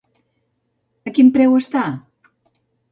A quin preu està?